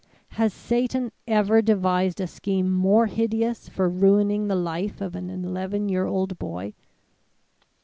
Has Satan ever devised a scheme more hideous for ruining the life of an eleven year old boy!